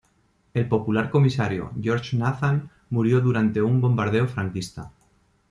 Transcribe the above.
El popular comisario George Nathan murió durante un bombardeo franquista.